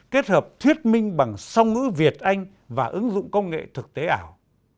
kết hợp thuyết minh bằng song ngữ việt anh và ứng dụng công nghệ thực tế ảo